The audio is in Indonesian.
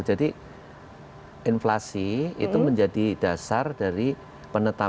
jadi inflasi itu menjadi dasar dari penetapan